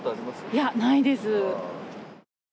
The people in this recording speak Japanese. いや、ないです。